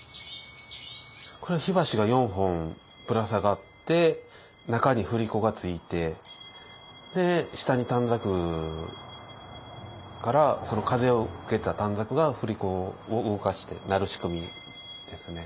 これは火箸が４本ぶら下がって中に振り子がついて下に短冊風を受けた短冊が振り子を動かして鳴る仕組みですね。